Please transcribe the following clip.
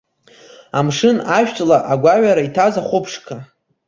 Амшын ашәҵла агәаҩара иҭаз ахәыԥшқа.